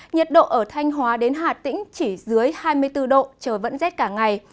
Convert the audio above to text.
nhiệt độ ở thanh hóa đến hà tĩnh chỉ dưới hai mươi bốn độ trời vẫn rét cả ngày